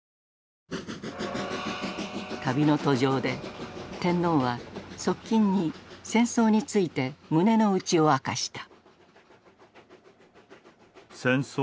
旅の途上で天皇は側近に戦争について胸の内を明かした。